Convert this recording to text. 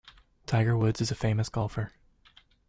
Tiger Woods is a famous golfer.